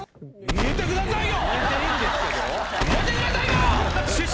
入れてくださいよ！